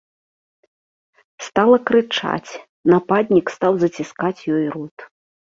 Стала крычаць, нападнік стаў заціскаць ёй рот.